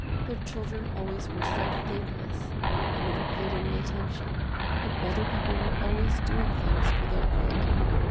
Their children always were so thankless, and never paid any attention, and older people were always doing things for their good.